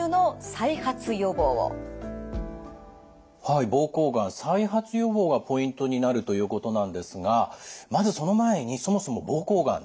はい膀胱がん再発予防がポイントになるということなんですがまずその前にそもそも膀胱がん